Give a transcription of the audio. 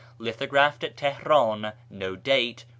Lithographed at Teheran, No date.